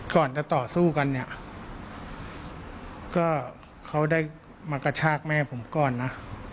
ก่อนจะต่อสู้กันเนี่ยก็เขาได้มากระชากแม่ผมก่อนนะ